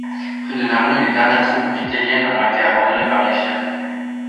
Près de Narni, les dernières troupes vitelliennes ont été abandonnées par les chefs.